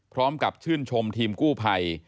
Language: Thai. พร้อมกับชื่นชมทีมกู้ภัย